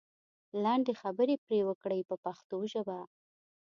لنډې خبرې پرې وکړئ په پښتو ژبه.